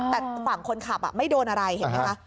แต่ฝั่งคนขับไม่โดนอะไรเห็นไหมคะ